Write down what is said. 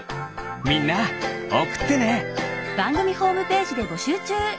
みんなおくってね！